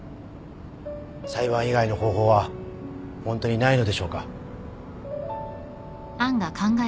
裁判以外の方法はホントにないのでしょうか？